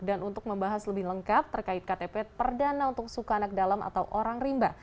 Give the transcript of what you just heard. dan untuk membahas lebih lengkap terkait ktp perdana untuk suku anak dalam atau orang rimba